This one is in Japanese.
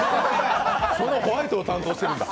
そのホワイトを担当してるんだ。